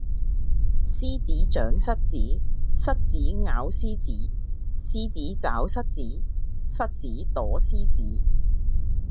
獅子長蝨子，蝨子咬獅子，獅子抓蝨子，蝨子躲獅子